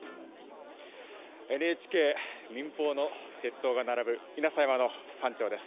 ＮＨＫ、民放の鉄塔が並ぶ稲佐山の山頂です。